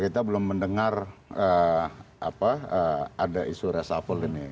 kita belum mendengar ada isu resafel ini